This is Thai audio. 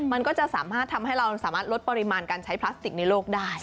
มันก็จะสามารถทำให้เราสามารถลดปริมาณการใช้พลาสติกในโลกได้